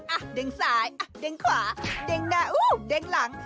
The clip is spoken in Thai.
อ่ะเด้งซ้ายอ่ะเด้งขวาเด้งหน้าอู้เด้งหลัง